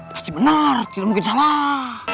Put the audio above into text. pasti benar tidak mungkin salah